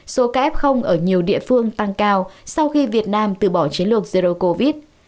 số ca f ở nhiều địa phương tăng cao sau khi việt nam từ bỏ chiến lược zero covid